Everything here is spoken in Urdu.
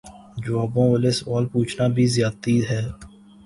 جوابوں والے سوال پوچھنا بھی زیادتی ہے